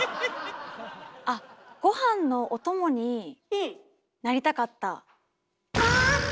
あごはんのおともになりたかった。